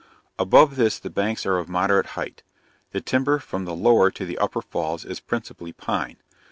Above this the banks are of moderate height. The timber from the lower to the upper falls is principally pine.